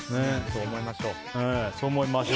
そう思いましょう。